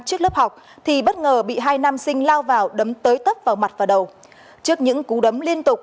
trước lớp học thì bất ngờ bị hai nam sinh lao vào đấm tới tấp vào mặt và đầu trước những cú đấm liên tục